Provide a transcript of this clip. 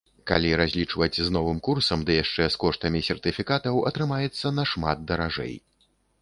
Калі разлічваць з новым курсам, ды яшчэ з коштамі сертыфікатаў, атрымаецца нашмат даражэй.